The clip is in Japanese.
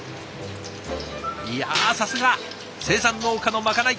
いやさすが生産農家のまかない。